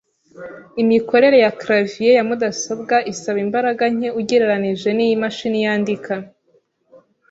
Imikorere ya clavier ya mudasobwa isaba imbaraga nke ugereranije niyimashini yandika.